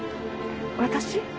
私？